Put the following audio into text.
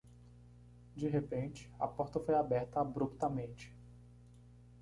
De repente, a porta foi aberta abruptamente